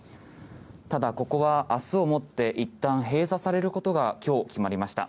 ただ、ここは明日をもっていったん閉鎖されることが今日、決まりました。